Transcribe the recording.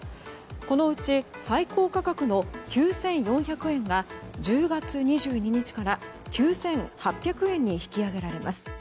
このうち最高価格の９４００円が１０月２２日から９８００円に引き上げられます。